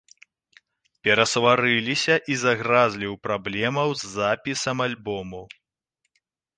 Перасварыліся і загразлі ў праблемаў з запісам альбому.